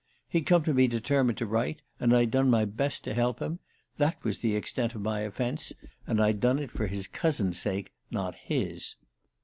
He'd come to me determined to write, and I'd done my best to help him. That was the extent of my offence, and I'd done it for his cousin's sake, not his.